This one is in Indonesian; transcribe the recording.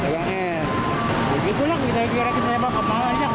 begitulah kita kira kita sempat kepala